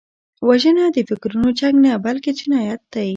وژنه د فکرونو جنګ نه، بلکې جنایت دی